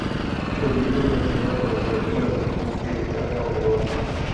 El libro continua con las aventuras del buque de carga "Oregón".